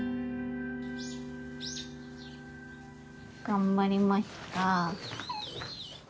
頑張りました。